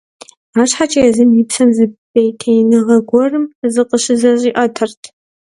Арщхьэкӏэ езым и псэм зы пӏейтеиныгъэ гуэрым зыкъыщызэщӏиӏэтэрт.